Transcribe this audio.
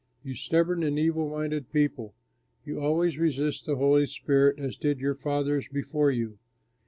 "You stubborn and evil minded people! you always resist the Holy Spirit, as did your fathers before you.